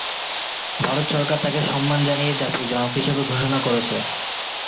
ভারত সরকার তাকে সম্মান জানিয়ে জাতির জনক হিসেবে ঘোষণা করেছে।